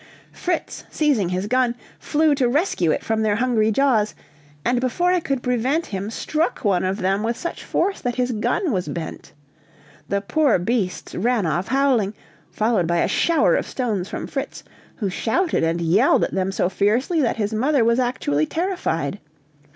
Fritz, seizing his gun, flew to rescue it from their hungry jaws, and before I could prevent him, struck one of them with such force that his gun was bent. The poor beasts ran off howling, followed by a shower of stones from Fritz, who shouted and yelled at them so fiercely that his mother was actually terrified.